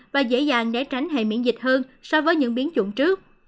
và dễ dàng để tránh hệ miễn dịch hơn so với những biến chủng trước